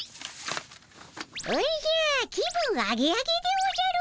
おじゃ気分アゲアゲでおじゃる。